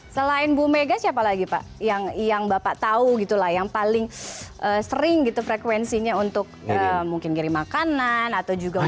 selain bu mega siapa lagi pak yang bapak tahu gitu lah yang paling sering gitu frekuensinya untuk mungkin ngirim makanan atau juga makan